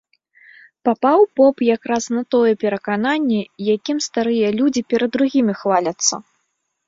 Папаў поп якраз на тое перакананне, якім старыя людзі перад другімі хваляцца.